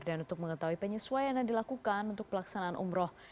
dan untuk mengetahui penyesuaian yang dilakukan untuk pelaksanaan umroh